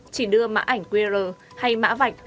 chỉ đưa mã ảnh qr hay mã vạch